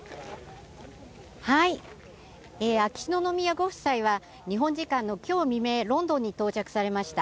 秋篠宮ご夫妻は日本時間の今日未明ロンドンに到着されました。